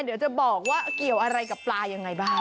เดี๋ยวจะบอกว่าเกี่ยวอะไรกับปลายังไงบ้าง